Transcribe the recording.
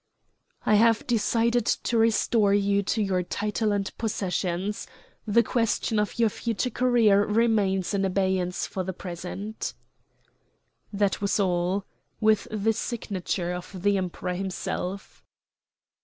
"I have decided to restore to you your title and possessions. The question of your future career remains in abeyance for the present." That was all; with the signature of the Emperor himself.